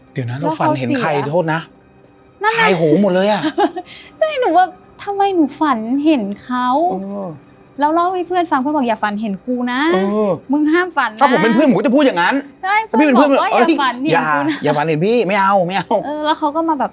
เดี๋ยวนะเราฝันเห็นใครโทษนะ